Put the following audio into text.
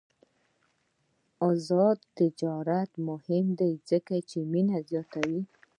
آزاد تجارت مهم دی ځکه چې مینه زیاتوي.